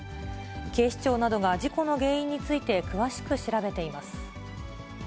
警視庁などが事故の原因について詳しく調べています。